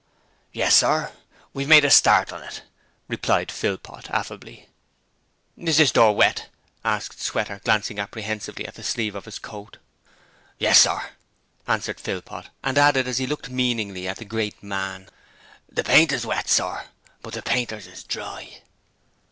'Yes, sir, we've made a start on it,' replied Philpot, affably. 'Is this door wet?' asked Sweater, glancing apprehensively at the sleeve of his coat. 'Yes, sir,' answered Philpot, and added, as he looked meaningly at the great man, 'the paint is wet, sir, but the PAINTERS is dry.'